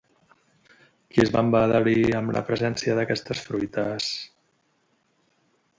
Qui es va embadalir en la presència d'aquestes fruites?